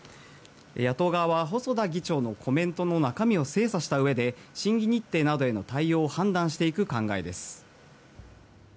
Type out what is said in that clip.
野党側は細田議長のコメントの中身を精査したうえで審議日程などへの対応を判断していく考えです。